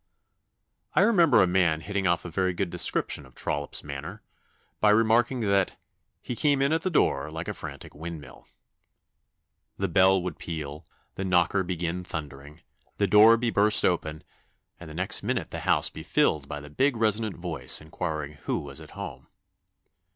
] "I remember a man hitting off a very good description of Trollope's manner, by remarking that 'he came in at the door like a frantic windmill.' The bell would peal, the knocker begin thundering, the door be burst open, and the next minute the house be filled by the big resonant voice inquiring who was at home.